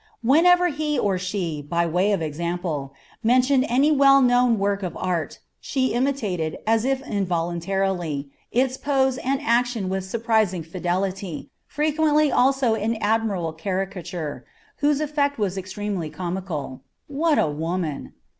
Whenever he or she, by way of example, mentioned any well known work of art, she imitated, as if involuntarily, its pose and action with surprising fidelity, frequently also in admirable caricature, whose effect was extremely comical. What a woman!